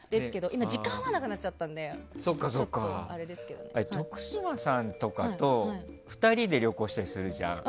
今、時間が合わなくなっちゃったので徳島さんとかと２人で旅行したりするじゃん。